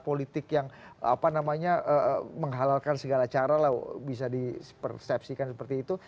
politik yang apa namanya menghalalkan segala cara lah bisa dipersepsikan seperti itu